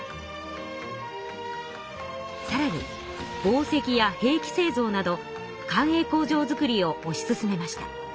さらに紡績や兵器製造など官営工場造りを推し進めました。